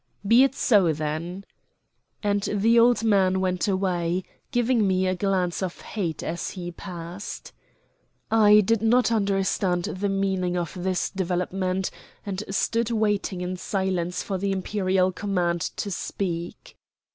"Be it so, then," and the old man went away, giving me a glance of hate as he passed. I did not understand the meaning of this development, and stood waiting in silence for the Imperial command to speak.